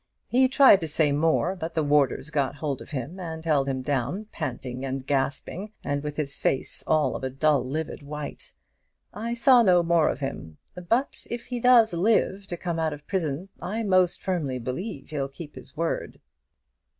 He tried to say more; but the warders got hold of him and held him down, panting and gasping, and with his face all of a dull livid white. I saw no more of him; but if he does live to come out of prison, I most firmly believe he'll keep his word."